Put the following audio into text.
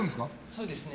そうですね。